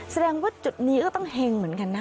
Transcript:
แสดงว่าจุดนี้ก็ต้องเห็งเหมือนกันนะ